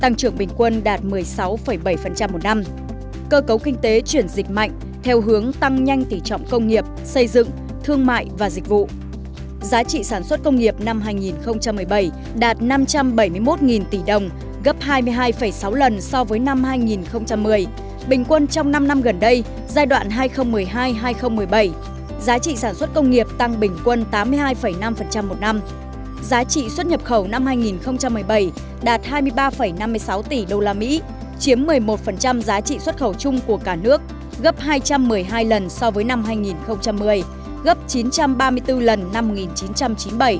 giá trị xuất nhập khẩu năm hai nghìn một mươi bảy đạt hai mươi ba năm mươi sáu tỷ usd chiếm một mươi một giá trị xuất khẩu chung của cả nước gấp hai trăm một mươi hai lần so với năm hai nghìn một mươi gấp chín trăm ba mươi bốn lần năm một nghìn chín trăm chín mươi bảy